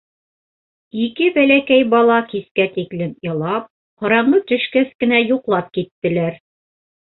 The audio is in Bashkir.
Ике бәләкәй бала кискә тиклем илап, ҡараңғы төшкәс кенә йоҡлап киттеләр.